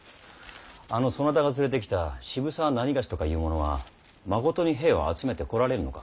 あのそなたが連れてきた渋沢何某とかいう者はまことに兵を集めてこられるのか？